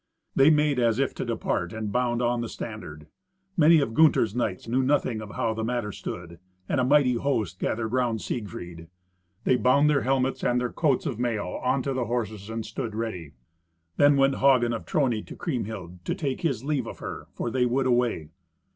They made as if to depart, and bound on the standard. Many of Gunther's knights knew nothing of how the matter stood, and a mighty host gathered round Siegfried. They bound their helmets and their coats of mail on to the horses and stood ready. Then went Hagen of Trony to Kriemhild, to take his leave of her, for they would away.